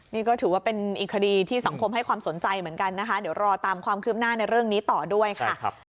นี่ก็ถือว่าเป็นอีกคดีที่สังคมให้ความสนใจเหมือนกันนะคะเดี๋ยวรอตามความคืบหน้าในเรื่องนี้ต่อด้วยค่ะ